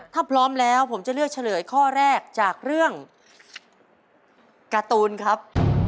ถ้าพร้อมแล้วผมจะเลือกเฉลยข้อแรกจากเรื่องการ์ตูนครับ